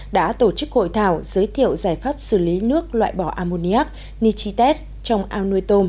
đã tổ chức hội thảo giới thiệu giải pháp xử lý nước loại bỏ ammoniac nichitex trong ao nuôi tôm